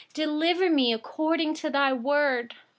Deliver me according to your word.